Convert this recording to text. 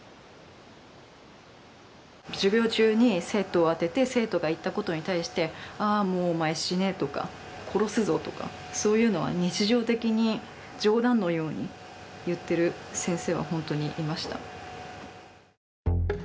授業中に生徒を当てて生徒が言ったことに対して「ああもうお前死ね」とか「殺すぞ」とかそういうのは日常的に冗談のように言ってる先生は本当にいました。